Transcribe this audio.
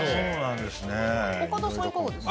岡田さんはいかがですか？